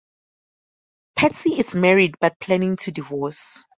Patsy is married but is planning to divorce.